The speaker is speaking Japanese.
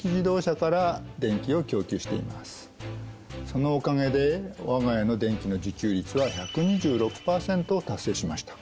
そのおかげで我が家の電気の自給率は１２６％を達成しました。